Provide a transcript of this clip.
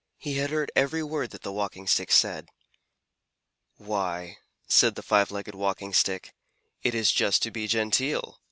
He had heard every word that the Walking Stick said. "Why," said the Five Legged Walking Stick, "it is just to be genteel.